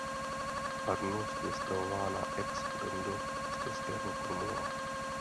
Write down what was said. Farnost je spravována ex currendo z Českého Krumlova.